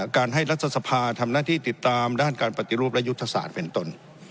การให้รัฐสภาทำหน้าที่ติดตามด้านการปฏิรูปและยุทธศาสตร์เป็นตน